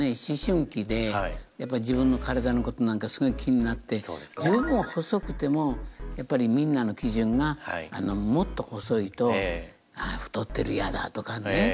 思春期でやっぱり自分の体のことなんかすごい気になって十分細くてもやっぱりみんなの基準がもっと細いとああ太ってるやだとかね。